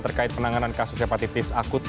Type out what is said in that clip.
terkait penanganan kasus hepatitis akut